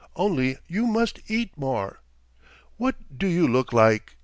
"Only you must eat more. What do you look like!"